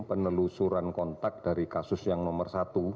penelusuran kontak dari kasus yang nomor satu